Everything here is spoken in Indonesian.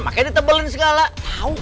makanya ditebelin segala tau